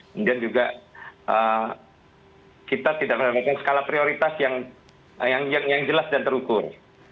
kemudian juga kita tidak mendapatkan skala prioritas yang jelas dan terukur